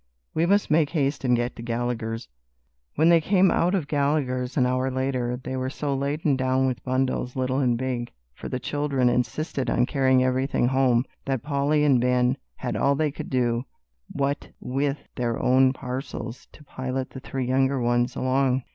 "We must make haste and get to Gallagher's." When they came out of Gallagher's an hour later, they were so laden down with bundles, little and big, for the children insisted on carrying everything home, that Polly and Ben had all they could do, what with their own parcels, to pilot the three younger ones along.